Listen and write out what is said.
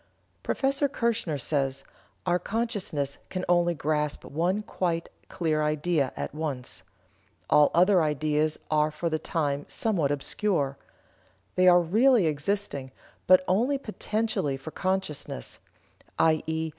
Prof. Kirchener says: "Our consciousness can only grasp one quite clear idea at once. All other ideas are for the time somewhat obscure. They are really existing, but only potentially for consciousness, _i.e.